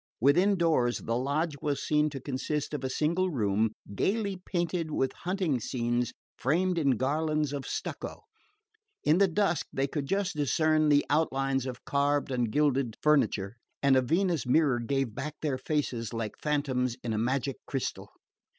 Within doors, the lodge was seen to consist of a single room, gaily painted with hunting scenes framed in garlands of stucco. In the dusk they could just discern the outlines of carved and gilded furniture, and a Venice mirror gave back their faces like phantoms in a magic crystal.